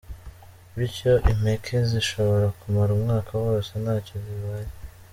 Bityo impeke zishobora kumara umwaka wose ntacyo zibaye.